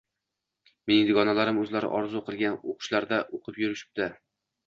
Mening dugonalarim o`zlari orzu qilgan o`qishlarda o`qib yurishibdi